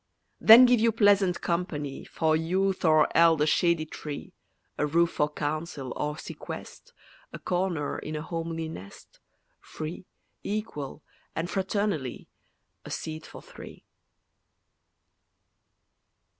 Then give you pleasant company, For youth or eld a shady tree; A roof for council or sequest, A corner in a homely nest, Free, equal, and fraternally, A seat for three.